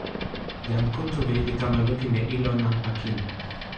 jan Kuntuli li kama lukin e ilo nanpa kin.